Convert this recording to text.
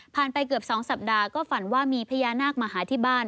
ไปเกือบ๒สัปดาห์ก็ฝันว่ามีพญานาคมาหาที่บ้าน